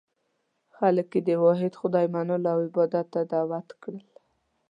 خلک یې د واحد خدای منلو او عبادت ته دعوت کړل.